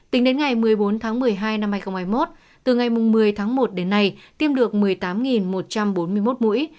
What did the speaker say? tính đến ngày một mươi bốn tháng một mươi hai năm hai nghìn hai mươi một từ ngày một mươi tháng một đến nay tiêm được một mươi tám một trăm bốn mươi một mũi